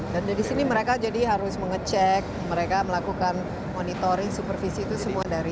dan di sini mereka jadi harus mengecek mereka melakukan monitoring supervisi itu semua dari